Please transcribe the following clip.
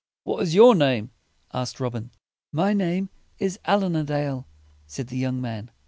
"What is your name?" asked Robin. "My name is Allin a Dale," said the young man.